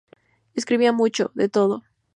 Escribía mucho... de todo.